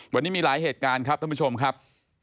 วันนี้มีหลายเหตุการณ์ครับท่านผู้ชมครับ